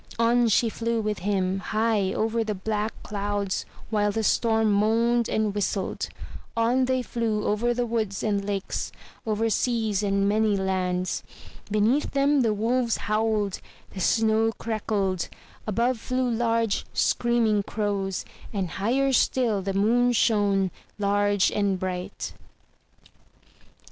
On she flew with him; high over the black clouds while the storm moaned and whistled. On they flew over woods and lakes, over seas 'and many lands. Beneath them, the wolves howled, the snow crackled; above flew large, screaming crows, and higher still the moon shone, large and bright.